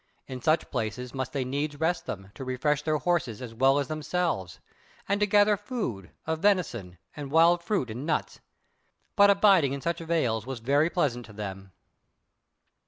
In such places must they needs rest them, to refresh their horses as well as themselves, and to gather food, of venison, and wild fruit and nuts. But abiding in such vales was very pleasant to them.